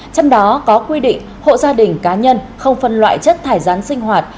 trong đó có quy định hộ gia đình cá nhân không phân loại chất thải rán sinh hoạt